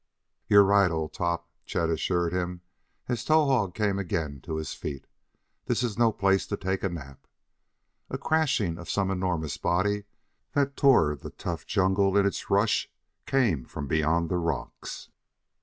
"You're right, old top!" Chet assured him, as Towahg came again to his feet. "This is no place to take a nap." A crashing of some enormous body that tore the tough jungle in its rush came from beyond the rocks.